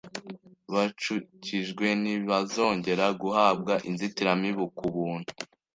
bacukijwe ntibazongera guhabwa inzitiramibu ku buntu